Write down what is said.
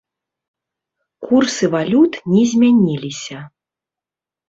Курсы валют не змяніліся.